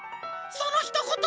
そのひとこと